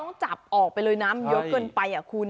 ต้องจับออกไปเลยน้ำเยอะเกินไปคุณ